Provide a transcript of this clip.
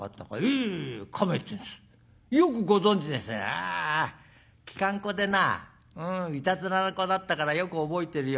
「ああきかんこでないたずらな子だったからよく覚えてるよ。